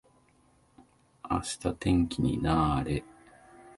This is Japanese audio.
明日天気にな～れ。